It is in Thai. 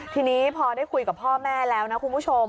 ทีนี้พอได้คุยกับพ่อแม่แล้วนะคุณผู้ชม